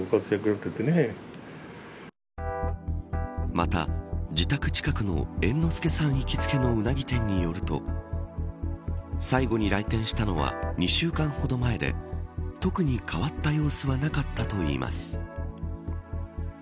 また、自宅近くの猿之助さん行きつけのうなぎ店によると最後に来店したのは２週間ほど前で特に変わった様子はなかったといいます。